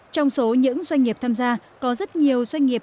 trong số những doanh nghiệp tham gia có rất nhiều doanh nghiệp